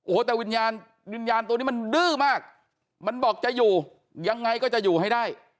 โอ้โหแต่วิญญาณวิญญาณตัวนี้มันดื้อมากมันบอกจะอยู่ยังไงก็จะอยู่ให้ได้